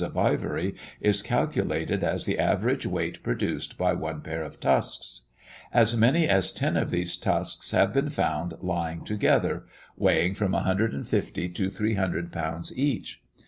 of ivory is calculated as the average weight produced by one pair of tusks. As many as ten of these tusks have been found lying together, weighing from 150 to 300 lbs. each.